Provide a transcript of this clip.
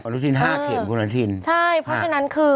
วันรุ่นทีน๕เข็มวันรุ่นทีนใช่เพราะฉะนั้นคือ